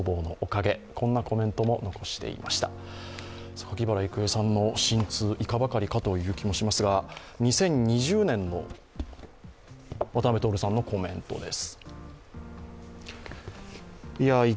榊原郁恵さんの心痛いかばかりかという気もしますが２０２０年の渡辺徹さんのコメントです。